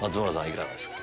いかがですか？